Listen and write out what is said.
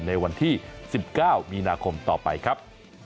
ในวันที่๑๙มีนาคมต่อไปครับ